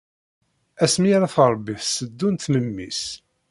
Asmi ara tṛebbi tsedunt memmi-s.